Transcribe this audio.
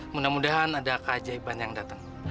mudah mudahan ada keajaiban yang datang